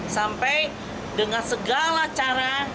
sampai dengan segala cara